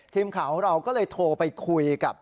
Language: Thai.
ทีมข่าวของเราก็เลยโทรไปคุยกับ